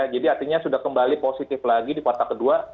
jadi artinya sudah kembali positif lagi di kuartal kedua